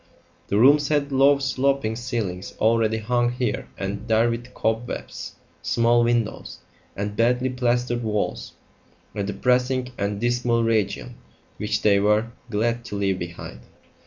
The rooms had low sloping ceilings already hung here and there with cobwebs, small windows, and badly plastered walls a depressing and dismal region which they were glad to leave behind.